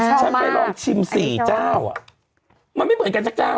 อันนี้ชอบมากฉันไปลองชิมสี่เจ้าอ่ะมันไม่เหมือนกันกันจากเจ้า